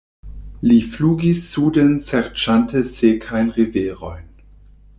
Li flugis suden serĉante sekajn riverojn.